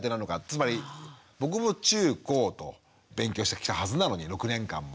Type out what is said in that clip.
つまり僕も中高と勉強してきたはずなのに６年間も。